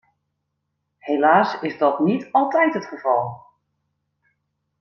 Helaas is dat niet altijd het geval.